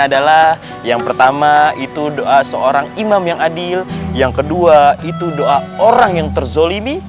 adalah yang pertama itu doa seorang imam yang adil yang kedua itu doa orang yang terzolimi